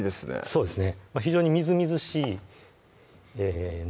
そうですね